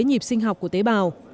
nhịp sinh học của tế bào